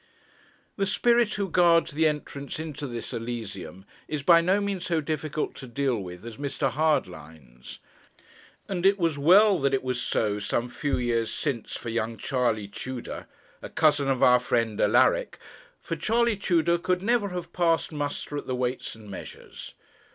The spirit who guards the entrance into this elysium is by no means so difficult to deal with as Mr. Hardlines. And it was well that it was so some few years since for young Charley Tudor, a cousin of our friend Alaric; for Charley Tudor could never have passed muster at the Weights and Measures.